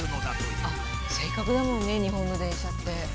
正確だもんね日本の電車って。